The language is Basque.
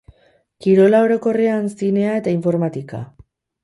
Kirola orokorrean, zinea eta informatika.